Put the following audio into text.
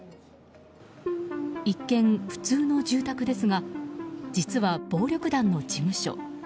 一見、普通の住宅ですが実は、暴力団の事務所。